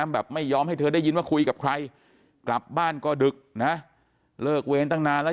แบบไม่ยอมให้เธอได้ยินว่าคุยกับใครกลับบ้านก็ดึกนะเลิกเว้นตั้งนานแล้ว